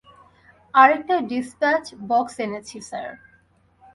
আরেকটা dispatch box এনেছি, sir.